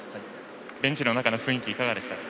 ベンチの中の雰囲気いかがでしたか？